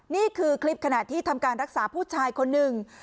นี่คือคลิปขณะที่ทำการรักษาผู้ชายคนหนึ่ง